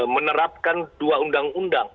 menerapkan dua undang undang